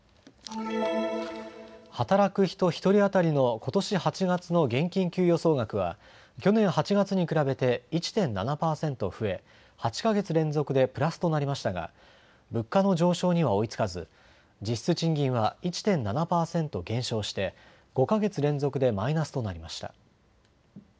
働く人１人当たりのことし８月の現金給与総額は去年８月に比べて１．７％増え８か月連続でプラスとなりましたが物価の上昇には追いつかず実質賃金は１．７％減少して５か月連続でマイナスとなりました。